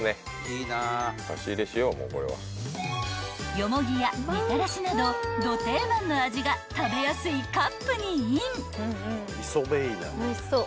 ［ヨモギやみたらしなどド定番の味が食べやすいカップにイン］